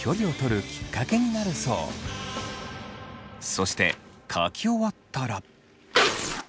そして書き終わったら。